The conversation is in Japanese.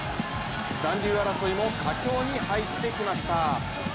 残留争いも佳境に入ってきました。